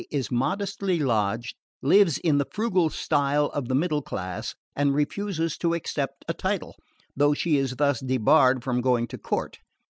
is modestly lodged, lives in the frugal style of the middle class, and refuses to accept a title, though she is thus debarred from going to court.